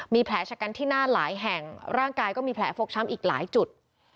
มีแผลชะกันที่หน้าหลายแห่งร่างกายก็มีแผลฟกช้ำอีกหลายจุด